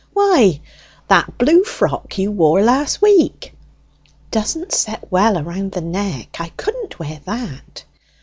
"Why, that blue frock you wore last week." "Doesn't set well round the neck. I couldn't wear that."